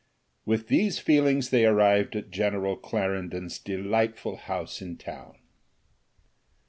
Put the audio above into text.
With these feelings they arrived at General Clarendon's delightful house in town.